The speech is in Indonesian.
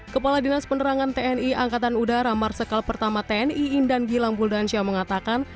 kepala dinas penerangan tni angkatan udara marsikal pertama tni indan gilang buldansya mengatakan